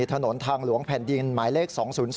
ถนนทางหลวงแผ่นดินหมายเลข๒๐๒